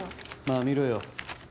まあ見ろよ